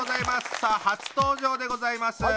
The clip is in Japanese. さあ初登場でございます。